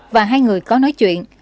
và hai người có nói chuyện